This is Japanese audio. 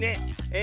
え